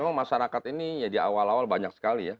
memang masyarakat ini ya di awal awal banyak sekali ya